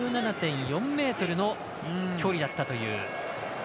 １７．４ｍの距離だったという。